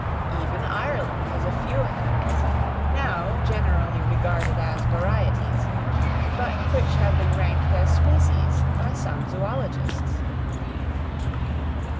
Even Ireland has a few animals, now generally regarded as varieties, but which have been ranked as species by some zoologists.